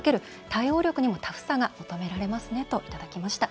対応力にもタフさが求められますねといただきました。